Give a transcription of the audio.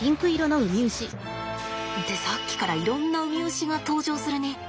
ってさっきからいろんなウミウシが登場するね。